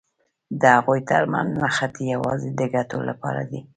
د هغوی تر منځ نښتې یوازې د ګټو لپاره دي.